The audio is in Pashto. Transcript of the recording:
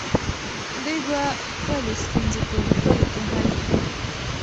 دوی به خپلې ستونزې په لیکلو کې حل کړي.